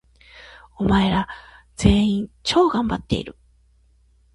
お前ら、全員、超がんばっている！！！